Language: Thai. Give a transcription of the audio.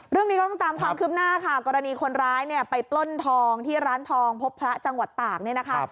เรื่องนี้ก็ต้องตามความคืบหน้าค่ะกรณีคนร้ายเนี่ยไปปล้นทองที่ร้านทองพบพระจังหวัดตากเนี่ยนะคะ